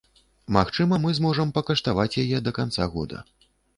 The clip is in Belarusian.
Магчыма, мы зможам пакаштаваць яе да канца года.